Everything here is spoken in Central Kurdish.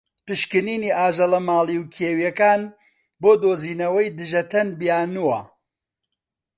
پشکنینی ئاژەڵە ماڵی و کێویەکان بۆ دۆزینەوەی دژەتەن بیانوە.